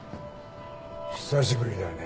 久しぶりだね